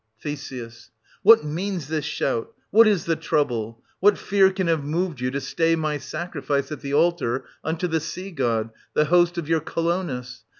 Th. What means this shout ? What is the trouble ? What fear can have moved you to stay my sacrifice at the altar unto the sea god, the lord of your Colonus